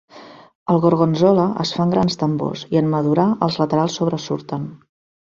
El Gorgonzola es fa en grans tambors i, en madurar, els laterals sobresurten.